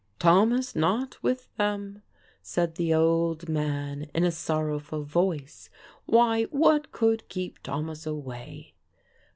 "Thomas not with them!" said the old man, in a sorrowful voice. "Why, what could keep Thomas away?